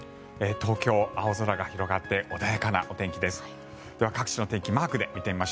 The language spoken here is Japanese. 東京、青空が広がって穏やかなお天気です。